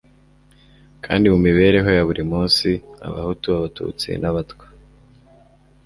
kandi mu mibereho ya buri munsi, abahutu, abatutsi n'abatwa